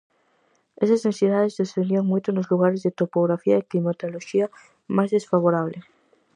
Esas densidades descendían moito nos lugares de topografía e climatoloxía máis desfavorable.